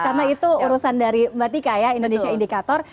karena itu urusan dari mbak dika ya indonesia indikator